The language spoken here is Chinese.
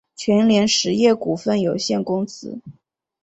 全联实业股份有限公司